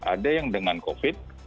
ada yang dengan covid